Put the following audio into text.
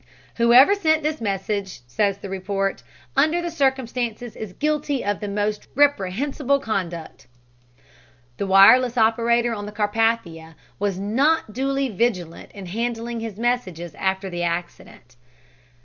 "Whoever sent this message," says the report, "under the circumstances, is guilty of the most reprehensible conduct." The wireless operator on the Carpathia was not duly vigilant in handling his messages after the accident.